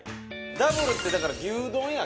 ダブルってだから牛丼や。